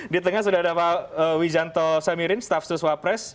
di tengah sudah ada pak wijanto samirin staff suswa press